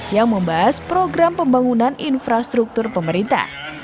yang membahas program pembangunan infrastruktur pemerintah